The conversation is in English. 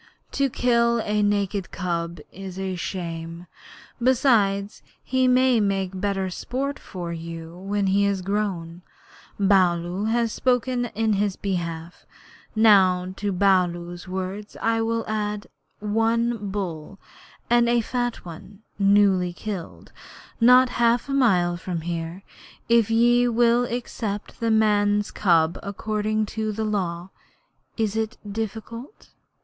'To kill a naked cub is shame. Besides, he may make better sport for you when he is grown. Baloo has spoken in his behalf. Now to Baloo's word I will add one bull, and a fat one, newly killed, not half a mile from here, if ye will accept the man's cub according to the Law. Is it difficult?'